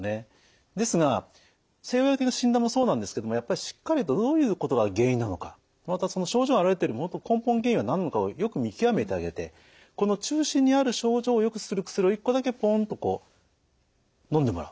ですが西洋医学的な診断もそうなんですけどもやっぱりしっかりとどういうことが原因なのかまたその症状が現れているもと根本原因は何なのかをよく見極めてあげてこの中心にある症状をよくする薬を一個だけぽんっとこうのんでもらう。